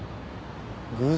偶然？